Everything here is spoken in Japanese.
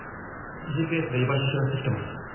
ＧＰＳで居場所知らせてきてます。